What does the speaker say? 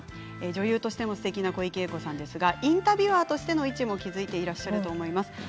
女優としてもすてきな小池栄子さんですがインタビュアーとしての位置も築いていらっしゃると思います。